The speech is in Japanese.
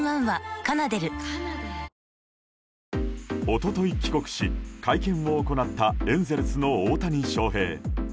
一昨日帰国し、会見を行ったエンゼルスの大谷翔平。